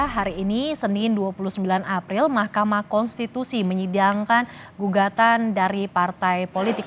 hari ini senin dua puluh sembilan april mahkamah konstitusi menyidangkan gugatan dari partai politik